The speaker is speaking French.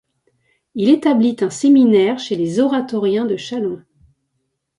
Il établit un séminaire chez les oratoriens de Chalon.